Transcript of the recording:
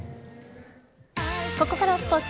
ここからはスポーツ。